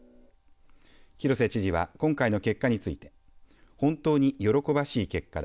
広瀬知事は今回の結果について本当に喜ばしい結果だ。